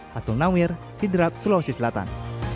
hasul nawir sidrap sulawesi selatan